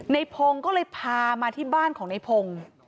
นายพงษ์ก็เลยพามาที่บ้านของนายพงษ์